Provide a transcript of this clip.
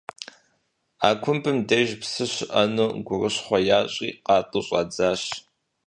А кумбым деж псы щыӏэну гурыщхъуэ ящӏри къатӏу щӏадзащ.